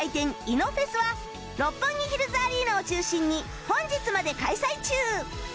イノフェスは六本木ヒルズアリーナを中心に本日まで開催中